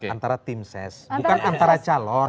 antara tim ses bukan antara calon